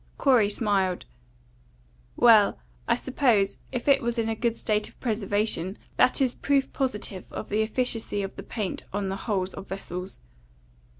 Corey smiled. "Well, I suppose, if it was in a good state of preservation, that is proof positive of the efficacy of the paint on the hulls of vessels."